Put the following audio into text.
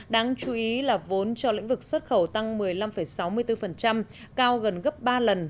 đáng chú ý là vốn cho lĩnh vực xuất khẩu tăng một mươi năm sáu mươi bốn cao gần gấp ba lần